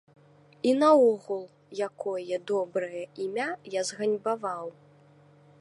І наогул, якое добрае імя я зганьбаваў?